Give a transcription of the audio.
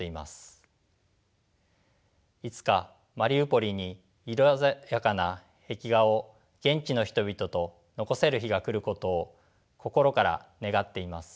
いつかマリウポリに色鮮やかな壁画を現地の人々と残せる日が来ることを心から願っています。